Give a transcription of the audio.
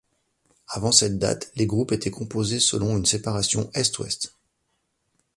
Avant cette date, les groupes étaient composés selon une séparation est-ouest.